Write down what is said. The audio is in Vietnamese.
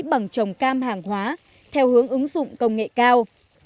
bằng trồng cam hàng hóa theo hướng ứng dụng công nghệ cao